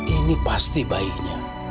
ini pasti bayinya